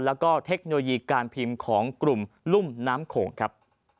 แล้วก็เทคโนโลยีการพิมพ์ของกลุ่มรุ่มน้ำโขงครับ